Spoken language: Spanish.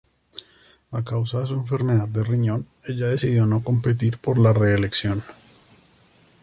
A causa de su enfermedad de riñón, ella decidió no competir por la reelección.